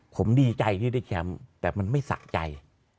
ผมดีใจที่ได้แชมป์แต่มันไม่สะใจ